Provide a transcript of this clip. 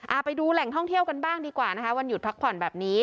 ไปดูแหล่งท่องเที่ยวกันบ้างดีกว่านะคะวันหยุดพักผ่อนแบบนี้